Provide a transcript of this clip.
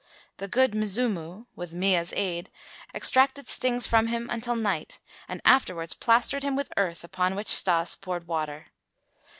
The "Good Mzimu," with Mea's aid, extracted stings from him until night and afterwards plastered him with earth upon which Stas poured water.